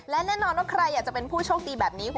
เรื่องของโชคลาบนะคะ